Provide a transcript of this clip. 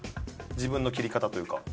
自分の切り方というか。